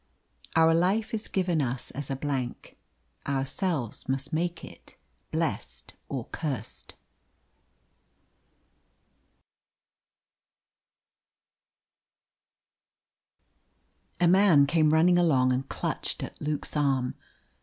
Our life is given us as a blank; Ourselves must make it blest or curst. A man came running along and clutched at Luke's arm.